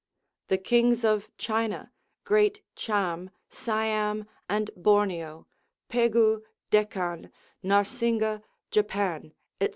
The kings of China, great Cham, Siam, and Borneo, Pegu, Deccan, Narsinga, Japan, &c.